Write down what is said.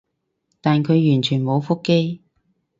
但佢完全冇覆機